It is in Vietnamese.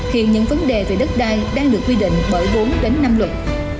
hiện những vấn đề về đất đai đang được quy định bởi bốn đến năm luật